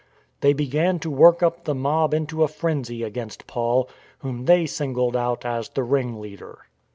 They began to work up the mob into a frenzy against Paul, whom they singled out as the " ring leader."